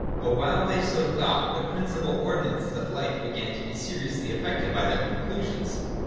But while they so thought, the principal ordi nances of life began to be seriously affected by their con clusions.